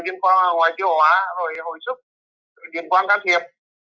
chuyên khoa ngoài tiêu hóa rồi hồi sức chuyên khoa can thiệp